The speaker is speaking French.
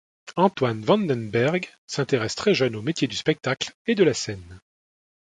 Antoine Vandenberghe s'intéresse très jeune aux métiers du spectacle et de la scène.